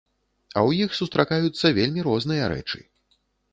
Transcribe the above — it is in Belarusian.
А ў іх сустракаюцца вельмі розныя рэчы.